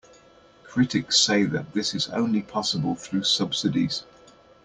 Critics say that this is only possible through subsidies.